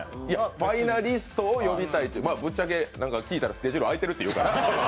ファイナリストを呼びたいというぶっちゃけ聞いたらスケジュールあいているというから。